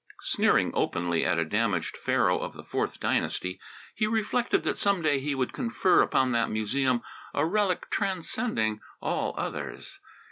Sneering openly at a damaged Pharaoh of the fourth dynasty, he reflected that some day he would confer upon that museum a relic transcending all others.